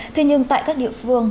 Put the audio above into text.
thế nhưng tại các địa phương